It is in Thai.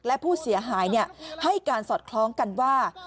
และผู้เสียหายให้การสอดคล้องกันว่า